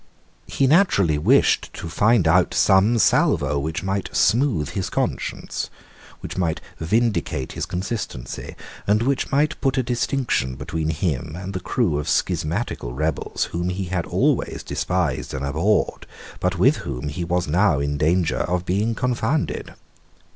He naturally wished to find out some salvo which might sooth his conscience, which might vindicate his consistency, and which might put a distinction between him and the crew of schismatical rebels whom he had always despised and abhorred, but with whom he was now in danger of being confounded.